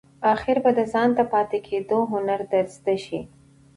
آخیر به د ځانته پاتې کېدو هنر در زده شي !